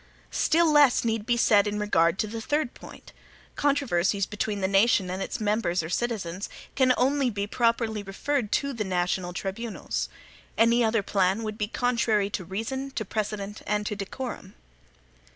Still less need be said in regard to the third point. Controversies between the nation and its members or citizens, can only be properly referred to the national tribunals. Any other plan would be contrary to reason, to precedent, and to decorum.